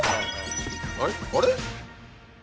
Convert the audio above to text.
あれ？